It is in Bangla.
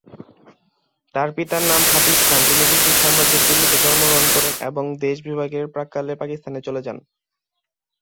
তার পিতার নাম হাফিজ খান যিনি ব্রিটিশ সাম্রাজ্যের দিল্লীতে জন্মগ্রহণ করেন এবং দেশ বিভাগের প্রাক্কালে পাকিস্তানে চলে যান।